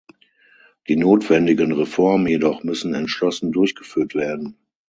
Die notwendigen Reformen jedoch müssen entschlossen durchgeführt werden.